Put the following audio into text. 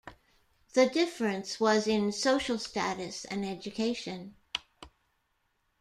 The difference was in social status and education.